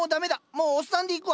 もうおっさんでいくわ。